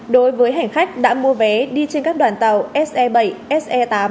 đối với hành khách đã mua vé đi trên các đoàn tàu se bảy se tám